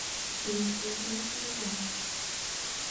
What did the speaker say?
المُشكِلةُ مُشكِلتهم